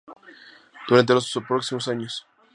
Durante los próximos años.